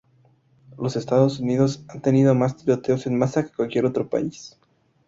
Los Estados Unidos ha tenido más tiroteos en masa que cualquier otro país.